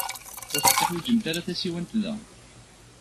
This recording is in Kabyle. Ur tetteḥwijimt ara tasiwant da.